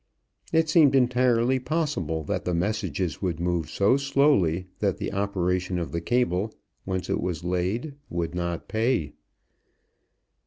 It seemed entirely possible that the messages would move so slowly that the operation of the cable, once it was laid, would not pay.